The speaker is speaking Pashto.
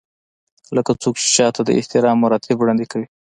لکه څوک چې چاته د احترام مراتب وړاندې کوي.